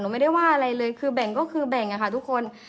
ไม่ได้ว่าอะไรเลยคือแบ่งก็คือแบ่งค่ะทุกคน